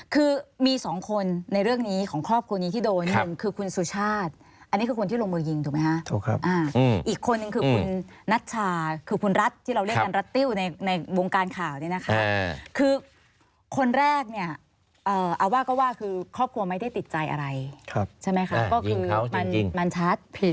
คือมีสองคนในเรื่องนี้ของครอบครัวนี้ที่โดนหนึ่งคือคุณสุชาติอันนี้คือคนที่ลงมือยิงถูกไหมฮะถูกครับอีกคนนึงคือคุณนัชชาคือคุณรัฐที่เราเรียกกันรัตติ้วในวงการข่าวเนี่ยนะคะคือคนแรกเนี่ยเอาว่าก็ว่าคือครอบครัวไม่ได้ติดใจอะไรใช่ไหมคะก็คือมันชัดผิด